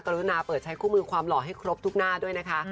รุณาเปิดใช้คู่มือความหล่อให้ครบทุกหน้าด้วยนะคะ